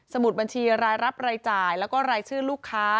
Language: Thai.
มุดบัญชีรายรับรายจ่ายแล้วก็รายชื่อลูกค้า